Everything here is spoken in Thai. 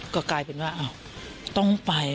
ก็กลายเป็นว่าต้องไป